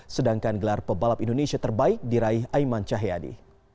sedangkan gelar pebalap indonesia terbaik diraih aiman cahyadi